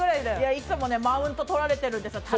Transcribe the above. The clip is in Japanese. いつもマウント取られてるんですよ。